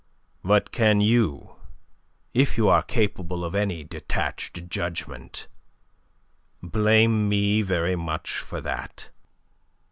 But can you if you are capable of any detached judgment blame me very much for that?"